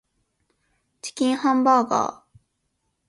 チキンハンバーガー